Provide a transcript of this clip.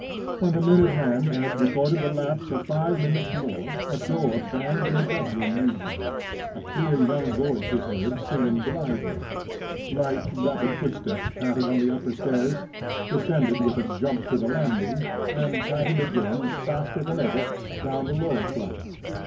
When the minute hand had recorded the lapse of five minutes more a door banged in the bedroom regions—a clear young voice was heard singing blithely—light, rapid footsteps pattered on the upper stairs, descended with a jump to the landing, and pattered again, faster than ever, down the lower flight.